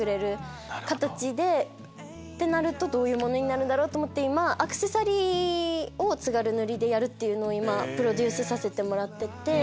ってなるとどういうものになるんだろうと思って今アクセサリーを津軽塗でやるっていうのをプロデュースさせてもらってて。